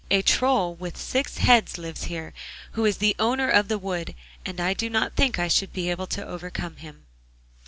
A Troll with six heads lives here, who is the owner of the wood, and I do not think I should be able to overcome him.